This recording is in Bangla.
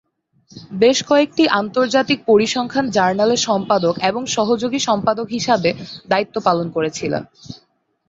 বেশ কয়েকটি আন্তর্জাতিক পরিসংখ্যান জার্নালের সম্পাদক এবং সহযোগী সম্পাদক হিসাবে দায়িত্ব পালন করেছিলেন।